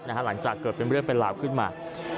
หลังจากเกิดเป็นเรื่องเป็นราวขึ้นมา